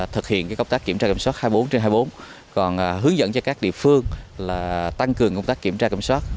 thực hiện công tác kiểm tra kiểm soát hai mươi bốn trên hai mươi bốn còn hướng dẫn cho các địa phương là tăng cường công tác kiểm tra kiểm soát